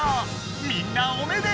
みんなおめでとう！